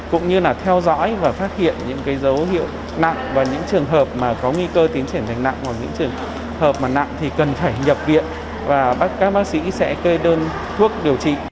cũng như là theo dõi và phát hiện những dấu hiệu nặng và những trường hợp mà có nguy cơ tiến triển thành nặng hoặc những trường hợp mà nặng thì cần phải nhập viện và các bác sĩ sẽ kê đơn thuốc điều trị